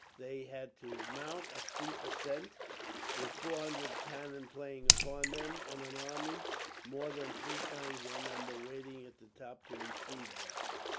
They had to mount a steep ascent, with four hundred cannon playing upon them; and an army, more than three times their number, waiting at the top to receive them."